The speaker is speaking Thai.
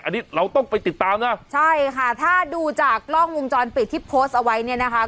อันนี้เราต้องไปติดตามนะใช่ค่ะถ้าดูจากกล้องวงจรปิดที่โพสต์เอาไว้เนี่ยนะคะ